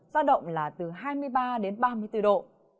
giao động là từ hai mươi ba đến ba mươi bốn độ